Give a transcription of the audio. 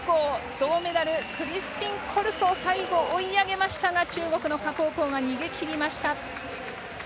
銅メダル、クリスピンコルソ最後、追い上げましたが中国の賈紅光が逃げきりました。